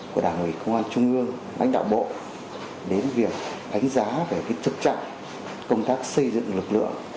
của đảng ủy công an trung ương ánh đạo bộ đến việc ánh giá về chất trạng công tác xây dựng lực lượng